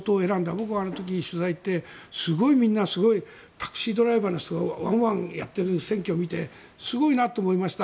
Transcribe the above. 僕はあの時、取材に行ってみんな、すごいタクシードライバーの人がワンワンやってる選挙を見てすごいなと思いました。